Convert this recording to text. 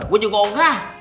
gue juga ongkah